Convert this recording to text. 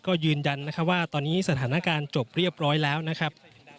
ก็ยืนยันนะครับว่าตอนนี้สถานการณ์จบเรียบร้อยแล้วนะครับ